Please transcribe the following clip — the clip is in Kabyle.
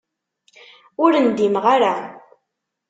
Ur ndimeɣ ara.